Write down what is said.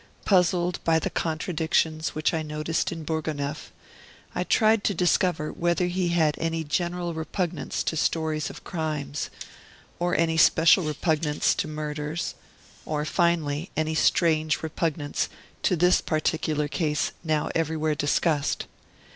Puzzled by the contradictions which I noticed in Bourgonef, I tried to discover whether he had any general repugnance to stories of crimes, or any special repugnance to murders, or, finally, any strange repugnance to this particular case now everywhere discussed.